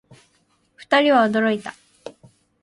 二人は驚いた